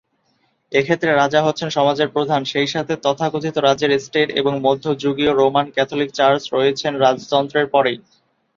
এক্ষেত্রে রাজা হচ্ছেন সমাজের প্রধান, সেই সাথে তথাকথিত রাজ্যের এস্টেট এবং মধ্যযুগীয় রোমান ক্যাথলিক চার্চ রয়েছেন রাজতন্ত্রের পরেই।